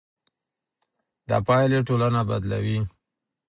دا پايلې ټولنه بدلوي.